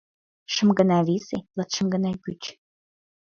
Шым гана висе, латшым гана пӱч!